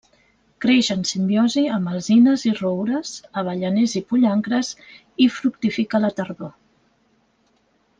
Creix en simbiosi amb alzines i roures, avellaners i pollancres i fructifica a la tardor.